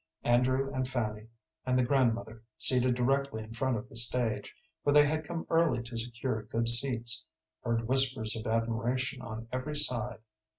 Andrew and Fanny and the grandmother, seated directly in front of the stage for they had come early to secure good seats heard whispers of admiration on every side.